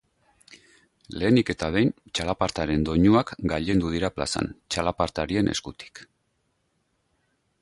Lehenik eta behin, txalapartaren doinuak gailendu dira plazan, txalapartarien eskutik.